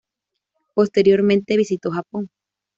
Posteriormente visitó Japón.